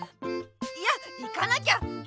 いや行かなきゃ！